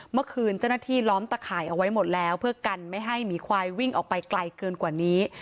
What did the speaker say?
เมื่อคืนเจ้าหน้าที่ล้อมตะข่ายเอาไว้หมดแล้วเพื่อกันไม่ให้หมีควายวิ่งออกไปไกลเกินกว่านี้